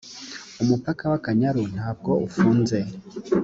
umupaka wa akanyaru ntabwo ufunze